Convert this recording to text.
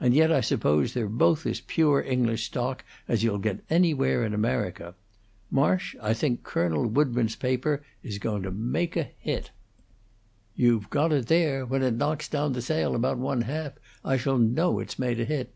And yet I suppose they're both as pure English stock as you'll get anywhere in America. Marsh, I think Colonel Woodburn's paper is going to make a hit." "You've got there! When it knocks down the sale about one half, I shall know it's made a hit."